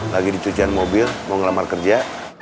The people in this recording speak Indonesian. lagi dicucian mobil mau ngelamar kerja